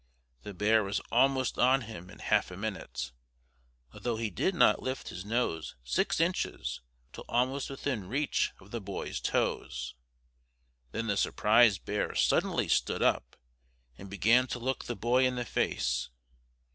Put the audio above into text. The bear was almost on him in half a minute, although he did not lift his nose six inches till almost within reach of the boy's toes. Then the surprised bear suddenly stood up and began to look the boy in the face.